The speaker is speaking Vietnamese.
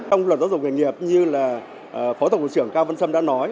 trong luật giáo dục nghề nghiệp như là phó thổng trưởng cao văn sâm đã nói